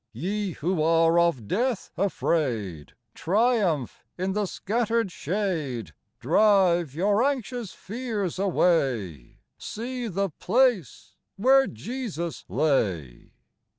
Ye who are of death afraid, Triumph in the scattered shade ; Drive your anxious fears away, See the place where Jesus lay.